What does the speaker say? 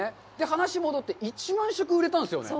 話戻って、１万食売れたんですよね。